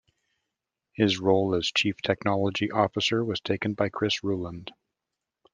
His role as Chief Technology Officer was taken by Chris Rouland.